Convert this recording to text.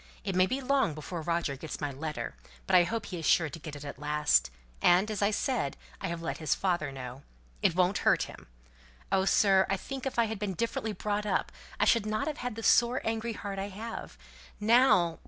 It may be long before Roger gets my letter, but I hope he is sure to get it at last, and, as I said, I have let his father know; it won't hurt him! Oh, sir, I think if I had been differently brought up I shouldn't have had the sore angry heart I have. Now!